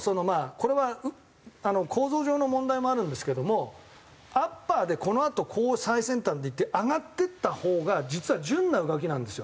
これは構造上の問題もあるんですけどもアッパーでこのあとこう最先端でいって上がっていったほうが実は順な動きなんですよ。